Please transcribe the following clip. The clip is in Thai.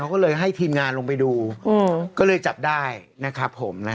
ก็เลยให้ทีมงานลงไปดูก็เลยจับได้นะครับผม